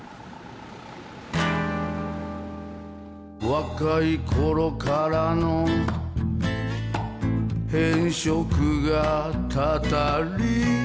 「若い頃からの偏食がたたり」